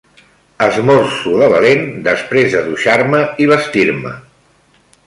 Esmorzo de valent, després de dutxar-me i vestir-me.